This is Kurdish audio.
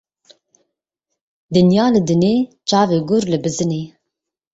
Dinya li dinê, çavê gur li bizinê.